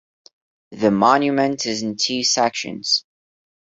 The monument is in two sections.